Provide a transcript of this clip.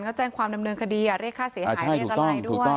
ก็แจ้งความดำเนินคดีเลขค่าเสียหายอะไรด้วย